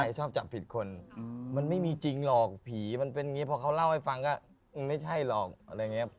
ชอบจับผิดคนมันไม่มีจริงหรอกผีมันเป็นอย่างนี้พอเขาเล่าให้ฟังก็ไม่ใช่หรอกอะไรอย่างนี้